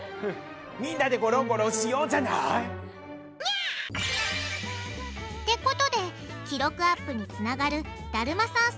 みんなでゴロンゴロンしようじゃない！ってことで記録アップにつながるだるまさん